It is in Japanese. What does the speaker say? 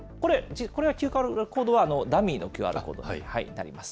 これ、ＱＲコードはダミーのＱＲコードになります。